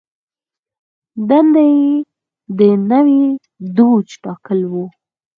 دنده یې د نوي دوج ټاکل و.